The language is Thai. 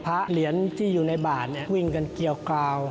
เหรียญที่อยู่ในบาทวิ่งกันเกี่ยวกราว